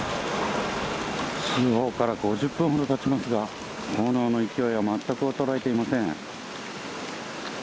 通報から５０分ほどたちますが炎の勢いはまったく衰えていません。